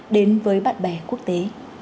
đến với bạn bè quốc tế